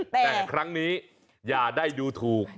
แต่ครั้งนี้อย่าได้ดูถูก